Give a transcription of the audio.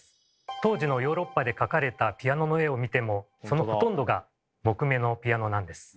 当時のヨーロッパで描かれたピアノの絵を見てもそのほとんどが木目のピアノなんです。